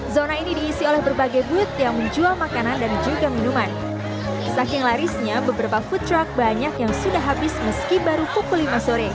zona ini diisi oleh berbagai booth yang menjual makanan dan juga minuman